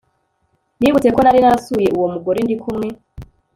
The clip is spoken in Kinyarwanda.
nibutse ko nari narasuye uwo mugore ndi kumwe